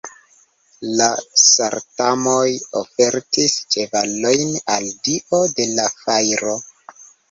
La sarmatoj ofertis ĉevalojn al dio de la fajro.